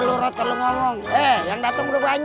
nungguin nisa kan kayak kita berdua sih